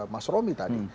mas romi tadi